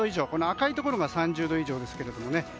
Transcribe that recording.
赤いところが３０度以上ですけども。